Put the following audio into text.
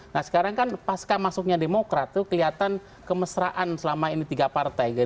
nah sekarang kan pasca masuknya demokrat tuh kelihatan kemesraan selama ini tiga partai